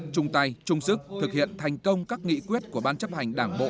trung tay trung sức thực hiện thành công các nghị quyết của ban chấp hành đảng bộ